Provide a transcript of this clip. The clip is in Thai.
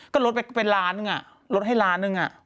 ก็ลดไปเป็นล้านหนึ่งลดให้ล้านหนึ่ง